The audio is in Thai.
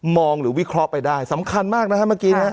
หรือวิเคราะห์ไปได้สำคัญมากนะฮะเมื่อกี้นะ